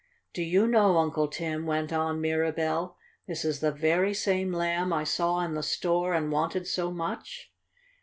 "Do you know, Uncle Tim," went on Mirabell, "this is the very same Lamb I saw in the store, and wanted so much?"